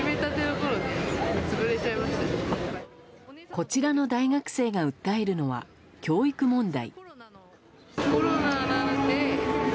こちらの大学生が訴えるのは教育問題。